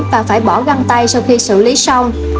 và phải bỏ găng tay sau khi xử lý xong